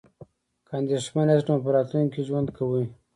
که اندیښمن یاست نو په راتلونکي کې ژوند کوئ.